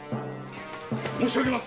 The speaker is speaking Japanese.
申しあげます。